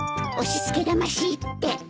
押し付けがましいって。